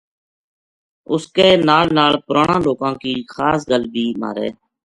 اس کے نال نال پرانا لوکاں کی خاص گل بھی مھارے